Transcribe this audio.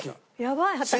やばい私。